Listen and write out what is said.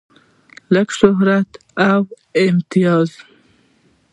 لکه شهرت او امتياز.